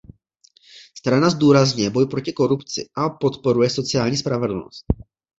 Strana zdůrazňuje boj proti korupci a podporuje sociální spravedlnost.